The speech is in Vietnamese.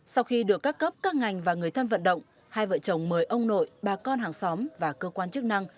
sau khi được các cấp các ngành và người thân vận động hai vợ chồng mời ông nội bà con hàng xóm và cơ quan chức năng